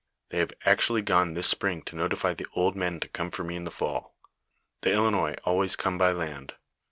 They have actually gone this spring to notify the old men to come for me in the fall. " The Ilinois always come by land.